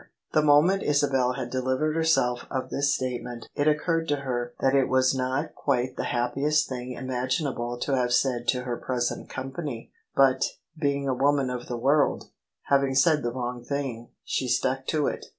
" The moment Isabel had delivered herself of this statement it occurred to her that it was not OF ISABEL CARNABY quite the happiest thing imaginable to have said to her present company: but — ^being a woman of the world — Shav ing said the wrong thing, she stuck to it.